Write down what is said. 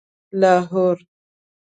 لاهور